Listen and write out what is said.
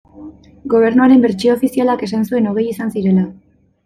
Gobernuaren bertsio ofizialak esan zuen hogei izan zirela.